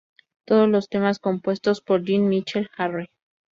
Todos los temas compuestos por Jean-Michel Jarre